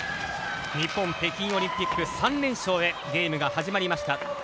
日本、北京オリンピック３連勝へ、ゲームが始まりました。